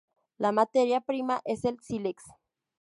La materia prima es el sílex.